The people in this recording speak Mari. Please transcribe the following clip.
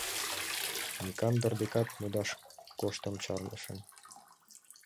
Никандр декат модаш коштмым чарнышым.